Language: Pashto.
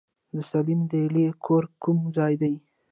د سليم دلې کور کوم ځای دی؟